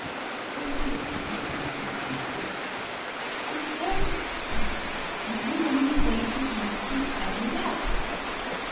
'' The foolish, timid, little Hare answered, "The earth is crack 69 MY BOOK HOUSE ing and rm running away, so as not to be swal lowed up!"